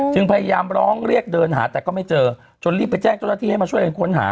พยายามร้องเรียกเดินหาแต่ก็ไม่เจอจนรีบไปแจ้งเจ้าหน้าที่ให้มาช่วยกันค้นหา